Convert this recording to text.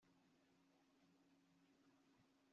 ngomba kubona uruhushya rwanjye